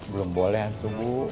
belum boleh ancu bu